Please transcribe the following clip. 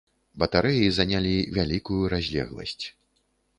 Батарэі занялі вялікую разлегласць.